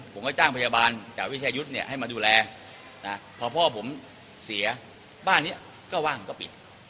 ผมก็จ้างพยาบาลจากวิชายุทธ์เนี่ยให้มาดูแลนะพอพ่อผมเสียบ้านนี้ก็ว่างก็ปิด